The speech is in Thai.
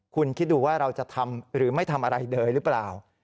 คุณคิดดูว่าเราจะทำหรือไม่ทำอะไรเลยหรือเปล่า